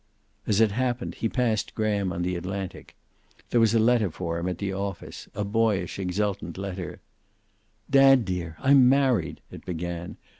As it happened, he passed Graham on the Atlantic. There was a letter for him at the office, a boyish, exultant letter: "Dad dear, I'm married!" it began.